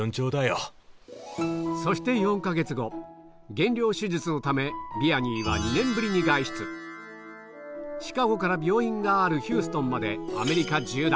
減量手術のためヴィアニーはシカゴから病院があるヒューストンまでアメリカ縦断！